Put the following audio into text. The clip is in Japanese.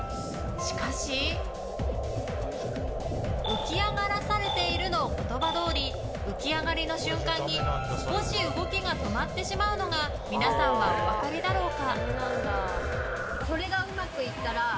しかし、浮き上がらされているの言葉どおり浮き上がりの瞬間に少し動きが止まってしまうのが皆さんはお分かりだろうか？